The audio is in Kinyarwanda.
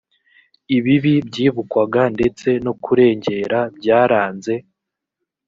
ibibi byibukwaga ndetse no kurengera byaranze